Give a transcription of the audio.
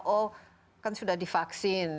oh kan sudah divaksin